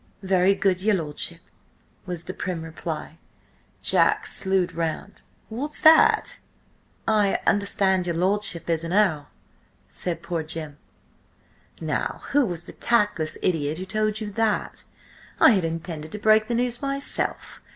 "Very good, your lordship," was the prim reply. Jack slewed round. "What's that?" "I understand your lordship is an Earl," said poor Jim. "Now who was the tactless idiot who told you that? I had intended to break the news myself.